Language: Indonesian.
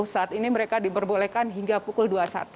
saat ini mereka diperbolehkan hingga pukul dua puluh satu